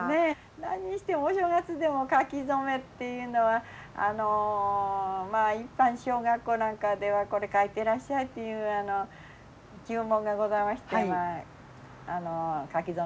何にしてもお正月でも書き初めっていうのは一般小学校なんかではこれ書いてらっしゃいっていう注文がございまして書き初めいたしますね。